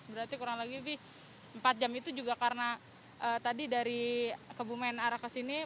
berarti kurang lagi empat jam itu juga karena tadi dari kebumen arah kesini